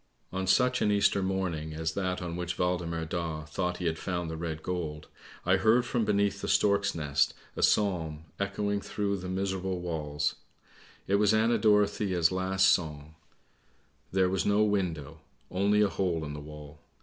" On such an Easter morning as that on which Waldemar Daa thought he had found the red gold, I heard from beneath the stork's nest a psalm echoing through the miserable walls. THE WIND'S TALE 185 It was Anna Dorothea's last song. There was no window; only a hole in the wall.